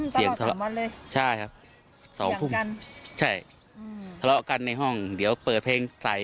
เสียงสละใช่ครับ๒พุ่มใช่สละกันในห้องเดี๋ยวเปิดเพลงใส่